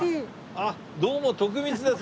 あっどうも徳光です。